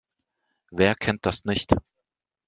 Wer kennt das nicht?